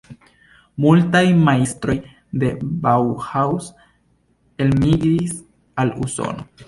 Multaj majstroj de "Bauhaus" elmigris al Usono.